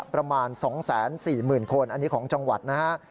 ประมาณ๒๔๐๐๐คนอันนี้ของจังหวัดนะฮะ